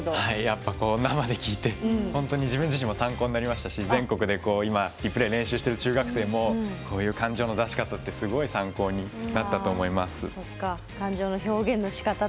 やっぱり、生で聴いて自分自身も参考になりましたし全国で「Ｒｅｐｌａｙ」練習している中学生もこういう感情の出し方ってすごい参考になったと思います。